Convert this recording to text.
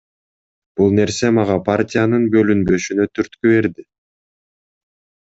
Бул нерсе мага партиянын бөлүнбөшүнө түрткү берди.